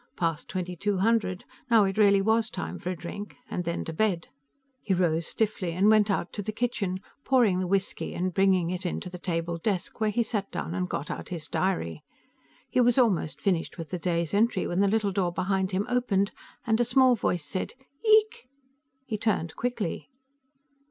Past twenty two hundred; now it really was time for a drink, and then to bed. He rose stiffly and went out to the kitchen, pouring the whisky and bringing it in to the table desk, where he sat down and got out his diary. He was almost finished with the day's entry when the little door behind him opened and a small voice said, "Yeeek." He turned quickly.